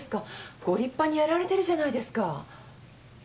ご立派にやられてるじゃないですか。